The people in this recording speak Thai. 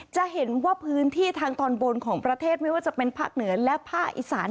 จะเห็นว่าพื้นที่ทางตอนบนของประเทศไม่ว่าจะเป็นภาคเหนือและภาคอีสาน